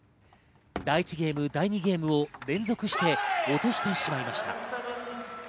第１ゲーム、第２ゲームを連続して落としてしまいました。